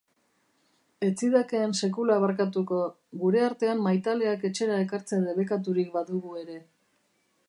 Ez zidakeen sekula barkatuko, gure artean maitaleak etxera ekartzea debekaturik badugu ere.